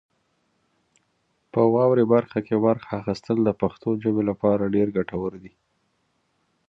په واورئ برخه کې برخه اخیستل د پښتو ژبې لپاره ډېر ګټور دي.